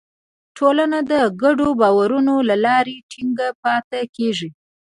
ټولنه د ګډو باورونو له لارې ټینګه پاتې کېږي.